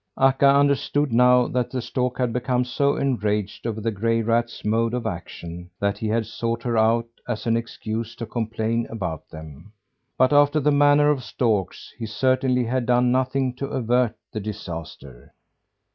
Akka understood now that the stork had become so enraged over the gray rats' mode of action, that he had sought her out as an excuse to complain about them. But after the manner of storks, he certainly had done nothing to avert the disaster.